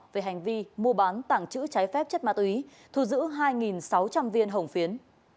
về hành vi mua bán tảng chữ trái phép chất ma túy thu giữ hai sáu trăm linh viên hồng phiến